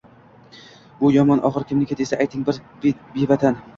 Bu yomon go’r kimniki desa ayting bir bevatan